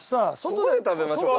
ここで食べましょうか。